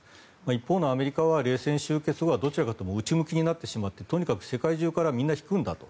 一方のアメリカは冷戦終結後はどちらにも内向きになってしまってとにかく世界中からみんな引くんだと。